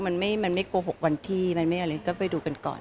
มันไม่โกหกวันที่มันไม่อะไรก็ไปดูกันก่อน